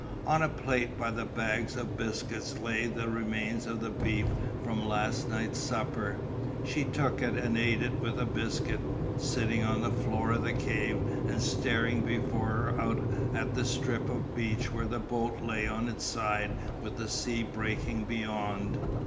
On a plate by the bags of biscuits lay the remains of the beef from last night's supper; she took it and ate it with a biscuit, sitting on the floor of the cave and staring before her out at the strip of beach where the boat lay on its side with the sea breaking beyond.